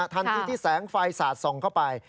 ทันทีที่แสงไฟสาดส่องเข้าไป